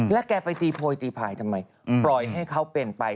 แล้วแกไปตีโพยตีพายทำไมปล่อยให้เขาเป็นไป